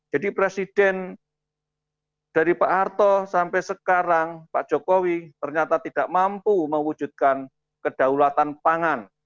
jadi presiden dari pak arto sampai sekarang pak jokowi ternyata tidak mampu mewujudkan kedaulatan pangan